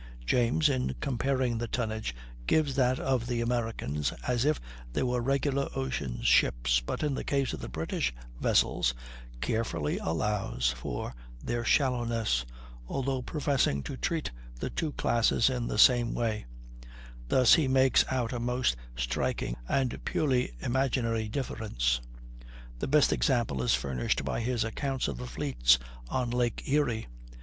James, in comparing the tonnage, gives that of the Americans as if they were regular ocean ships, but in the case of the British vessels, carefully allows for their shallowness, although professing to treat the two classes in the same way; and thus he makes out a most striking and purely imaginary difference. The best example is furnished by his accounts of the fleets on Lake Erie.